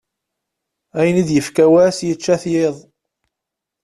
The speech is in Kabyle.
Ayen i d-ifka wass yečča-t yiḍ.